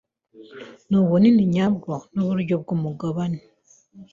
Nubunini nyabwo nuburyo bwumugabane